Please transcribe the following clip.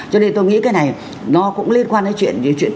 cho nên tôi nghĩ cái này nó cũng liên quan đến chuyện